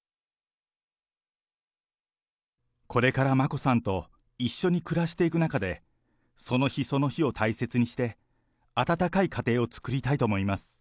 これから眞子さんと一緒に暮らしていく中で、その日その日を大切にして、温かい家庭を作りたいと思います。